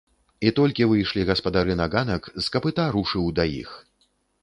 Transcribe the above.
І толькі выйшлі гаспадары на ганак, з капыта рушыў да іх.